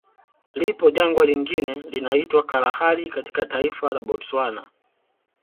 Lipo Jangwa lingine linaitwa Kalahari katika taifa la Botswana